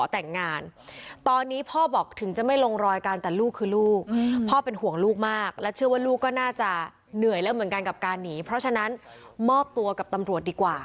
แต่งงานตอนนี้พ่อบอกถึงจะไม่ลงรอยกันแต่ลูกคือลูกพ่อเป็นห่วงลูกมากและเชื่อว่าลูกก็น่าจะเหนื่อยแล้วเหมือนกันกับการหนีเพราะฉะนั้นมอบตัวกับตำรวจดีกว่า